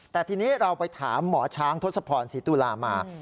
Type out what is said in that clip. แต่ทีนี้เราไปถามหมอช้างทศพรศรีตุลามา